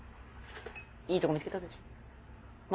いいとこ見つけたでしょ？